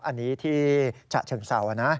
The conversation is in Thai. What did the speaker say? อันนี้ที่เฉพาะเฉิงเสาร์นะ